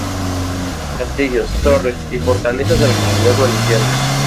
Castillos, Torres y Fortalezas de la Comunidad Valenciana.